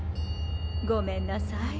ごめんなさい。